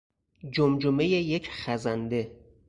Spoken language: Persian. جمجمهی یک خزنده